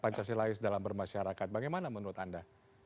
pancasilais dalam bermasyarakat bagaimana menurut anda